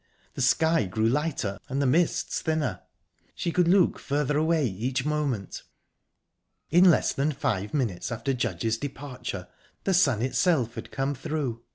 The sky grew lighter, and the mists thinner; she could look further away each moment. In less than five minutes after Judge's departure the sun itself had come through.